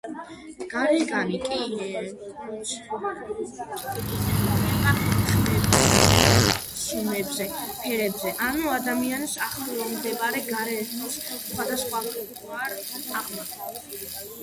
გარეგანი კი კონცენტრირდება ხმებზე, სუნებზე, ფერებზე, ანუ ადამიანის ახლომდებარე გარემოს სხვადასხვაგვარ აღქმაზე.